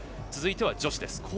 続いては女子です。